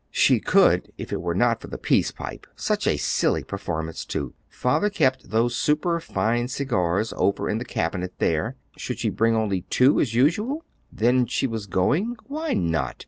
She could if it were not for the peace pipe. Such a silly performance too! Father kept those superfine cigars over in the cabinet there. Should she bring only two as usual? Then she was going? Why not?